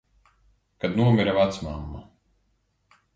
Kad nomira vecmamma.